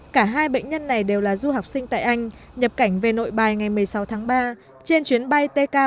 cả hai bệnh nhân này đều là du học sinh tại anh nhập cảnh về nội bài ngày một mươi sáu tháng ba trên chuyến bay tk một trăm sáu mươi bốn